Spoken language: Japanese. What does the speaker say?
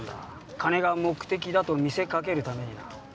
金が目的だと見せかけるためにな。